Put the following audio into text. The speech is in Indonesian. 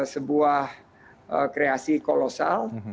sebuah kreasi kolosal